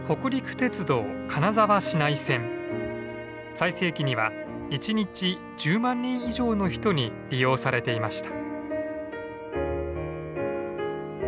最盛期には１日１０万人以上の人に利用されていました。